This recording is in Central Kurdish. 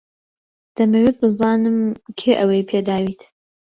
دەمەوێت بزانم کێ ئەوەی پێداویت.